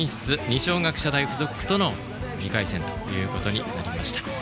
二松学舎大付属との２回戦となりました。